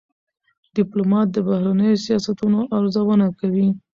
ډيپلومات د بهرنیو سیاستونو ارزونه کوي.